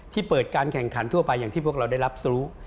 เปิดการแข่งขันทั่วไปอย่างที่พวกเราได้รับรู้